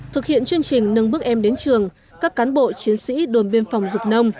thực hiện chương trình nâng bước em đến trường các cán bộ chiến sĩ đồn biên phòng dục nông